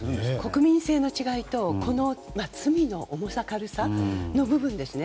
国民性の違いと罪の重さ、軽さの部分ですね。